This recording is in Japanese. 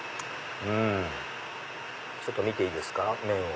ちょっと見ていいですか麺を。